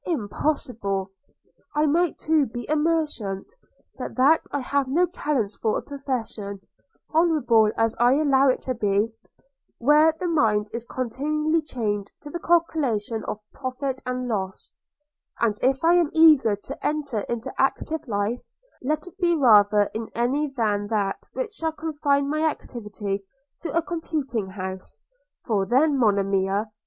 Impossible! – I might too be a merchant: but that I have no talents for a profession, honourable as I allow it to be, where the mind is continually chained to the calculation of profit and loss; and if I am to enter into active life, let it be rather in any than that which shall confine my activity to a compting house – For then, Monimia!